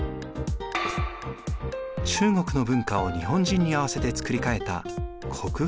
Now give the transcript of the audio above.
中国の文化を日本人に合わせて作り変えた国風文化。